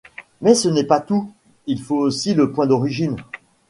Mais ce n'est pas tout, il faut aussi le point d'origine.